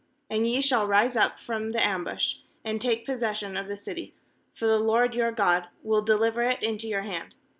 7And ye shall rise up from the ambush, and take possession of the city; for the LORD your God will de liver it into your hand.